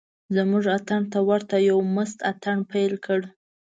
زموږ اتڼ ته ورته یو مست اتڼ پیل کړ.